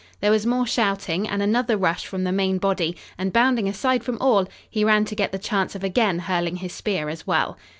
There was more shouting and another rush from the main body and, bounding aside from all, he ran to get the chance of again hurling his spear as well.